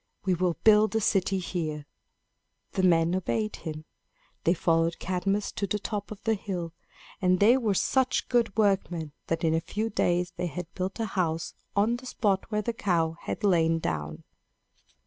We will build a city here." The men obeyed him. They followed Cadmus to the top of the hill; and they were such good workmen that in a few days they had built a house on the spot where the cow had lain down.